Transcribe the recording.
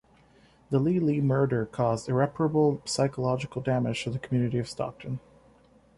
The Leigh Leigh murder caused "irreparable psychological damage" to the community of Stockton.